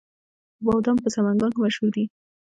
بادام په سمنګان کې مشهور دي